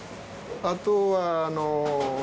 あとは。